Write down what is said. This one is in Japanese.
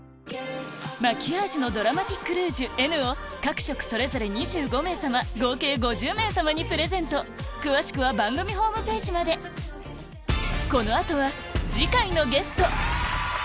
マキアージュのドラマティックルージュＮを各色それぞれ２５名さま合計５０名さまにプレゼント詳しくは番組ホームページまでこの後は次回のゲスト！